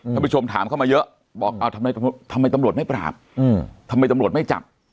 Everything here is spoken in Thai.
ท่านผู้ชมถามเข้ามาเยอะบอกเอาทำไมตำรวจไม่ปราบทำไมตำรวจไม่จับ